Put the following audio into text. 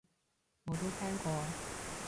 我都聽過